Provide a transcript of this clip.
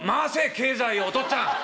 経済をお父っつぁん！